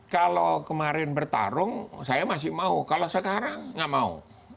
kalau kemarin bertarung saya masih mau kalau sekarang nggak mau